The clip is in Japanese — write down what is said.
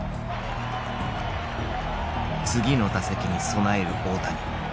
次の打席に備える大谷。